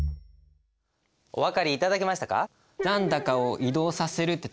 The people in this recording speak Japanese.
お分かり頂けましたか？